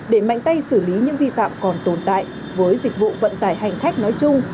để mạnh tay xử lý những vi phạm còn tồn tại với dịch vụ vận tải hành khách nói chung